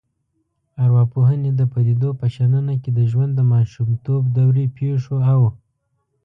ارواپوهنې د پديدو په شننه کې د ژوند د ماشومتوب دورې پیښو او